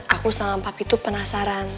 aku sama papi tuh penasaran